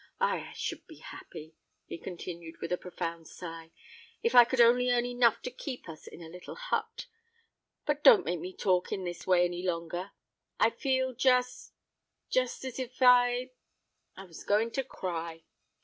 Ah! I should be happy," he continued, with a profound sigh, "if I could only earn enough to keep us in a little hut. But don't make me talk in this way any longer: I feel just—just as if I—I was going to cry."